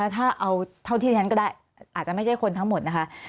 ถ้าเอาเท่าที่ฉันก็ได้อาจจะไม่ใช่คนทั้งหมดนะคะ